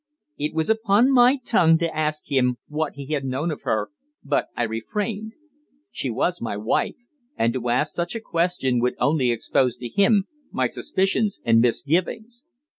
It was upon my tongue to ask him what he had known of her, but I refrained. She was my wife, and to ask such a question would only expose to him my suspicions and misgivings.